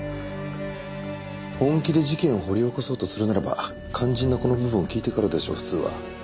本気で事件を掘り起こそうとするならば肝心なこの部分を聞いてからでしょう普通は。